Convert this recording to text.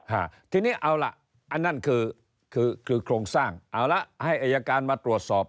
ฮะทีนี้เอาล่ะอันนั้นคือคือโครงสร้างเอาละให้อายการมาตรวจสอบ